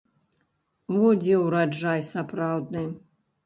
Во дзе ўраджай сапраўдны.